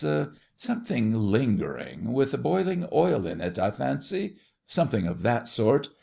Something lingering, with boiling oil in it, I fancy. Something of that sort.